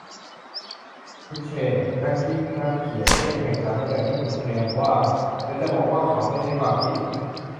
นิทเช่ นักคิดนักเขียนไม่ได้แข่งขันในแบบที่คุณเทียมว่า แต่จะบอกว่าเขาไม่ใช้ความคิด ?